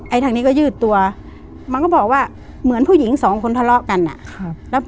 ทางนี้ก็ยืดตัวมันก็บอกว่าเหมือนผู้หญิงสองคนทะเลาะกันอ่ะครับแล้ว